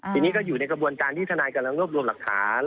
ทีนี้ก็อยู่ในกระบวนการที่ทนายกำลังรวบรวมหลักฐาน